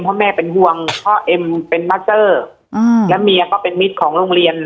เพราะแม่เป็นห่วงพ่อเอ็มเป็นมัสเตอร์และเมียก็เป็นมิตรของโรงเรียน